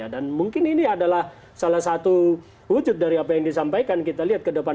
dan mungkin ini adalah salah satu wujud dari apa yang disampaikan kita lihat ke depan